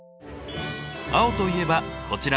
青といえばこちら。